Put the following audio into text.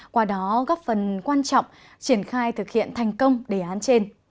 qua đó góp phần quan trọng triển khai thực hiện thành công đề án trên